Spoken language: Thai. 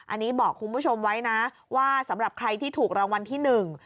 อันนี้บอกคุณผู้ชมไว้นะว่าสำหรับใครที่ถูกรางวัลที่หนึ่ง